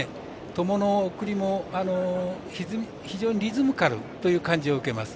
トモの送りも非常にリズミカルという感じを受けます。